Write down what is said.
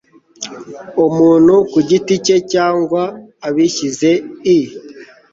umuntu kugiti cye cyangwa abishyize l